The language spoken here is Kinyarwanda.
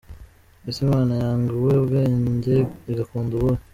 Ese Imana yanga ubuhe bwenge igakunda ubuhe ?.